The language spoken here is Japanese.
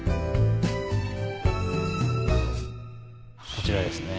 こちらですね。